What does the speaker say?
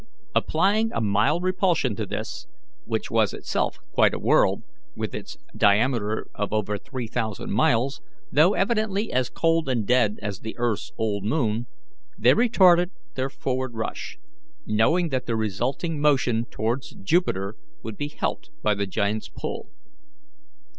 Applying a mild repulsion to this which was itself quite a world, with its diameter of over three thousand miles, though evidently as cold and dead as the earth's old moon they retarded their forward rush, knowing that the resulting motion towards Jupiter would be helped by the giant's pull.